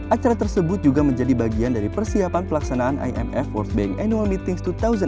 acara tersebut juga menjadi bagian dari persiapan pelaksanaan imf world bank annual meetings dua ribu delapan belas